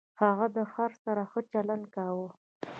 هغه د خر سره ښه چلند کاوه.